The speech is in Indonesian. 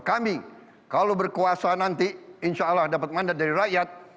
kami kalau berkuasa nanti insya allah dapat mandat dari rakyat